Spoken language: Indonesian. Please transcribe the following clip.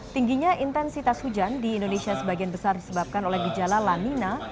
tingginya intensitas hujan di indonesia sebagian besar disebabkan oleh gejala lamina